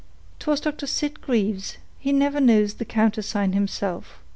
"'Twas Doctor Sitgreaves; he never knows the countersign himself.